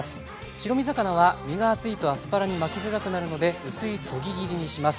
白身魚は身が厚いとアスパラに巻きづらくなるので薄いそぎ切りにします。